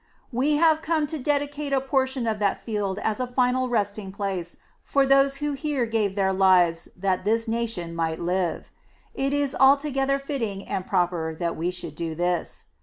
We have come to dedicate a portion of that field as a final resting place for those who here gave their lives that this nation might live. It is altogether fitting and proper that we should do this.